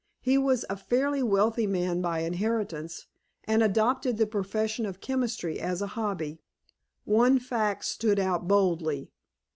He was a fairly wealthy man by inheritance, and adopted the profession of chemistry as a hobby. One fact stood out boldly.